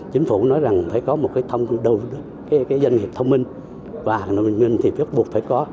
chính phủ nói rằng phải có một cái doanh nghiệp thông minh và doanh nghiệp thông minh thì phép buộc phải có